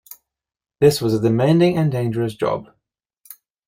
This was a demanding and dangerous job.